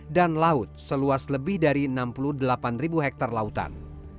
dan laut seluas lebih dari enam puluh delapan ribu hektare lautan